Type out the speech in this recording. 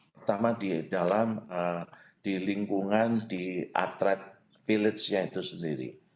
pertama di dalam di lingkungan di atlet village nya itu sendiri